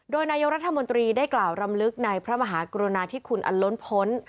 โดยนายกรัฐมนตรีได้กล่าวรำลึกในพระมหากรุณาที่คุณอันล้นพ้น